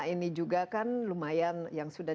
ini juga kan lumayan yang sudah